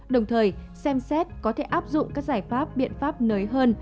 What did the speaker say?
đồng thời xem xét có thể áp dụng các giải pháp biện pháp nới hơn